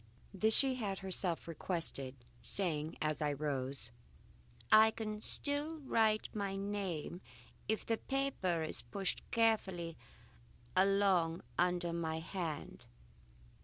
This she had herself requested, saying as I rose: "I can still write my name if the paper is pushed carefully along under my hand.